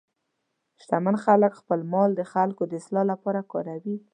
شتمن خلک خپل مال د خلکو د اصلاح لپاره کاروي.